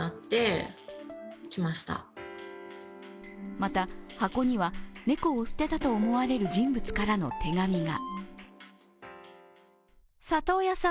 また、箱には猫を捨てたと思われる人物からの手紙が。